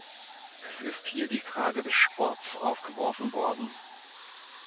Es ist hier die Frage des Sports aufgeworfen worden.